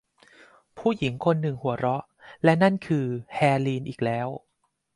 ผู้หญิงคนหนึ่งหัวเราะ และนั่นคือเฮลีนอีกแล้ว